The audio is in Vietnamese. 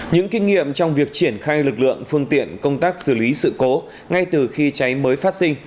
những kinh nghiệm trong việc triển khai lực lượng phương tiện công tác xử lý sự cố ngay từ khi cháy mới phát sinh